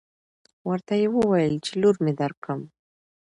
ورته يې وويل چې لور مې درکم.